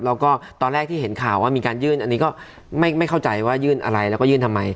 แล้วก็ตอนแรกที่เห็นข่าวว่ามีการยื่นอันนี้ก็ไม่เข้าใจว่ายื่นอะไรแล้วก็ยื่นทำไม